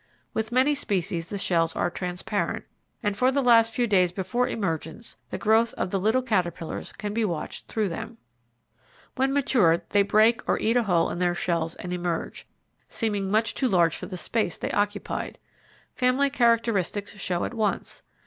With many species the shells are transparent, and for the last few days before emergence the growth of the little caterpillars can be watched through them. When matured they break or eat a hole in their shells and emerge, seeming much too large for the space they occupied. Family characteristics show at once.